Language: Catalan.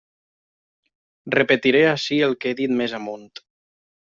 Repetiré ací el que he dit més amunt.